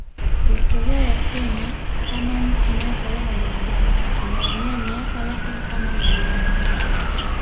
Historia ya Kenya kama nchi inayokaliwa na binadamu inaenea miaka laki kama milioni